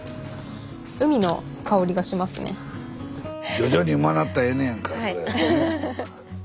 徐々にうまなったらええねやんかそれね。